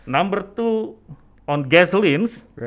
nomor dua di perusahaan gasoliner